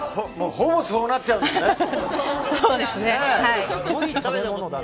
ほぼそうなっちゃうんですね。